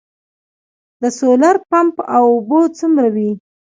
د سولر پمپ اوبه څومره وي؟